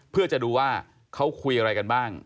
เพื่อจะดูว่าเขาคุยอะไรกันบ้าง